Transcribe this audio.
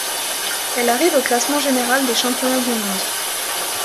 Elle arrive au classement général des championnats du monde.